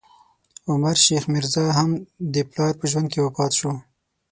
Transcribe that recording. عمر شیخ میرزا، هم د پلار په ژوند کې وفات شو.